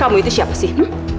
kamu itu siapa sih